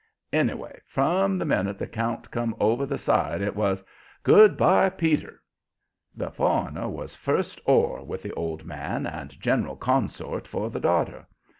Anyway, from the minute the count come over the side it was "Good by, Peter." The foreigner was first oar with the old man and general consort for the daughter.